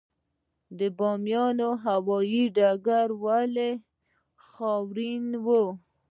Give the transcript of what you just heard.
د بامیان هوايي ډګر ولې خاورین و؟